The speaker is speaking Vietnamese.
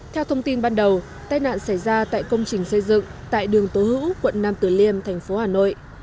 theo thông tin ban đầu tai nạn xảy ra tại công trình xây dựng tại đường tố hữu quận nam tử liêm thành phố hà nội